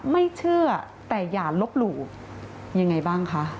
ไม่เชื่อแต่อย่าลบหลู่ยังไงบ้างคะ